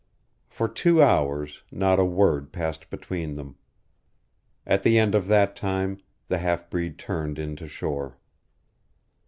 For two hours not a word passed between them. At the end of that time the half breed turned in to shore.